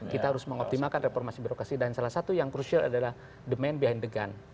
kita harus mengoptimalkan reformasi birokrasi dan salah satu yang crucial adalah the main behind the gun